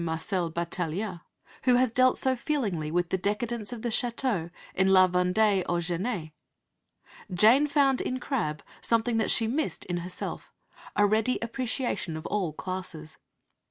Marcel Batilliat, who has dealt so feelingly with the decadence of the château in La Vendée aux Genêts. Jane found in Crabbe something that she missed in herself, a ready appreciation of all classes.